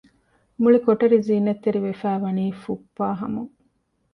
މުޅި ކޮޓަރި ޒީނަތްތެރި ވެފައިވަނީ ފުއްޕާހަމުން